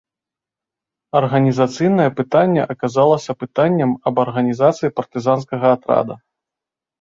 Арганізацыйнае пытанне аказалася пытаннем аб арганізацыі партызанскага атрада.